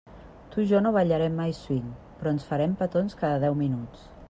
Tu i jo no ballarem mai swing, però ens farem petons cada deu minuts.